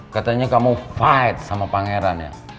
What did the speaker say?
katanya kamu fight sama pangeran ya